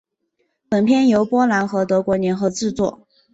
本片由波兰和德国联合制作。